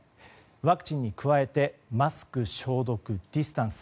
ワクチンに加えてマスク、消毒、ディスタンス。